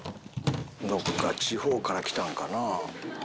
どっか地方から来たんかな。